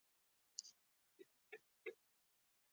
د هرې شخړې لپاره سند موجود و.